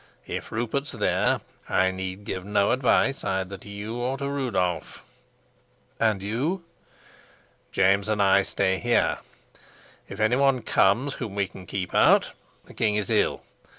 If Rupert's there, I need give no advice either to you or to Rudolf." "And you?" "James and I stay here. If any one comes whom we can keep out, the king is ill.